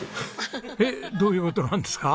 えっどういう事なんですか？